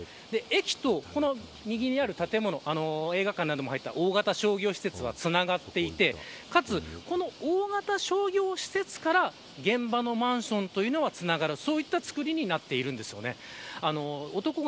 駅と右にある建物、映画館なども入った大型商業施設がつながっていてかつ、この大型商業施設から現場のマンションというのもつながるそういった造りになるんです。